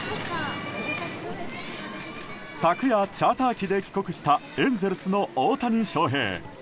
昨夜、チャーター機で帰国したエンゼルスの大谷翔平。